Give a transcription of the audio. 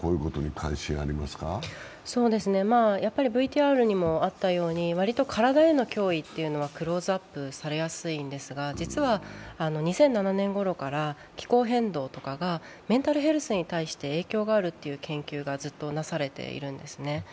ＶＴＲにもあったように、割と体への脅威はクローズアップされやすいんですが、実は２００７年ごろから気候変動とかがメンタルヘルスに対して影響があるという研究がずっとなされているんです。